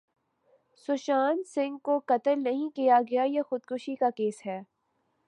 سشانت سنگھ کو قتل نہیں کیا گیا یہ خودکشی کا کیس ہے